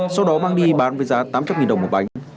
sau đó mang đi bán với giá tám trăm linh đồng một bánh